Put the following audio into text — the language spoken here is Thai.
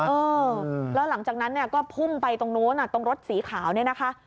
เออแล้วหลังจากนั้นก็พุ่มไปตรงรถสีขาวนี่นะคะ